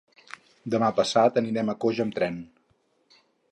Demà passat anirem a Coix amb tren.